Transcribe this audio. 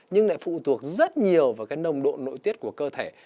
nhưng lại phụ thuộc rất nhiều vào cái nồng độ nội tiết của cơ thể